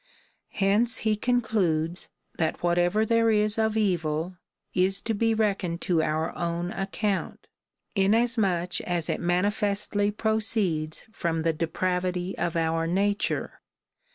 Hence he concludes, that whatever there is of evil is to be reckoned to our own account, inasmuch as it manifestly proceeds from the depravity of our nature.